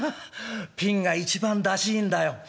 ピンが一番出しいいんだよ」。